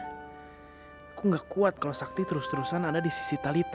aku nggak kuat kalau sakti terus terusan ada di sisi talita